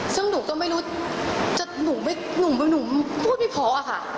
ซึ่งหนูก็ไม่รู้หนูพูดไม่เพราะอะค่ะ